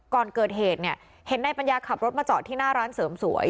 ก่อนเกิดเหตุเนี่ยเห็นนายปัญญาขับรถมาจอดที่หน้าร้านเสริมสวย